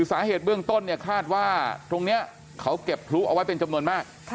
สาเหตุเบื้องต้นเนี่ยคาดว่าตรงนี้เขาเก็บพลุเอาไว้เป็นจำนวนมาก